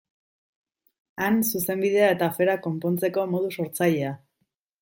Han, Zuzenbidea eta aferak konpontzeko modu sortzailea.